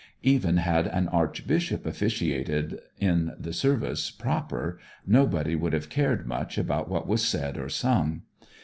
Even had an archbishop officiated in the service proper nobody would have cared much about what was said or sung.